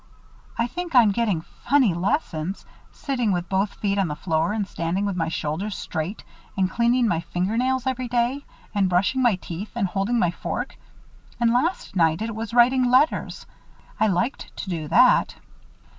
I think I'm getting funny lessons sitting with both feet on the floor and standing with my shoulders straight and cleaning my finger nails every day, and brushing my teeth and holding my fork. And last night it was writing letters. I liked to do that."